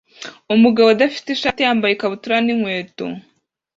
Umugabo udafite ishati yambaye ikabutura n'inkweto